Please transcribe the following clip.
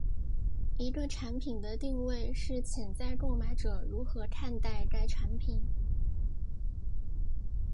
一个产品的定位是潜在购买者如何看待该产品。